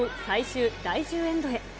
最終第１０エンドへ。